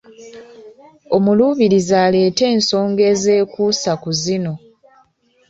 Omuluubirizi aleete ensonga ezeekuusa ku zino